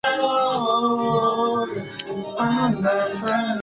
El mismo día hubo desgracia que lamentar.